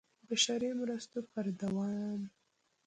د بشري مرستو پر دوام